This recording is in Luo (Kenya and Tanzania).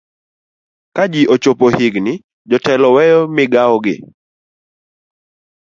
ka ji ochopo higini jotelo weyo migawogi